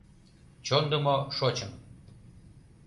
Чондымо шочын.